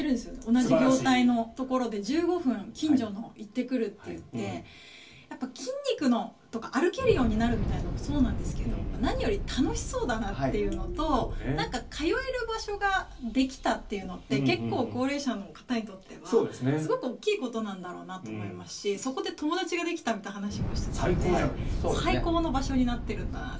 同じ業態のところで１５分近所に行ってくるといって筋肉とか歩けるようになるみたいなのもそうなんですけど何より楽しそうだなというのと通える場所ができたというのって結構、高齢者の方にとってはすごく大きいことなんだろうなと思いますしそこで友達ができたみたいな話もしていて最高の場所になっているなって。